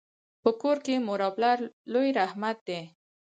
په کور کي مور او پلار لوی رحمت دی.